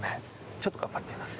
ちょっと頑張ってみます。